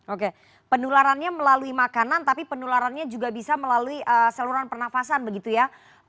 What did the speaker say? oke penularannya melalui makanan tapi penularannya juga bisa melalui saluran pernafasan begitu ya